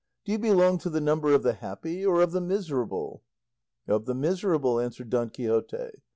Do you belong to the number of the happy or of the miserable?" "Of the miserable," answered Don Quixote.